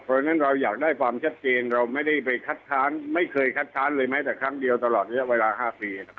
เพราะฉะนั้นเราอยากได้ความชัดเจนเราไม่ได้ไปคัดค้านไม่เคยคัดค้านเลยแม้แต่ครั้งเดียวตลอดระยะเวลา๕ปี